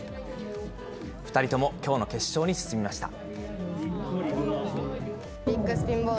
２人ともきょうの決勝に進みました。